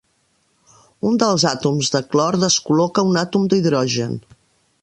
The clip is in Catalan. Un dels àtoms de clor descol·loca un Àtom d'hidrogen.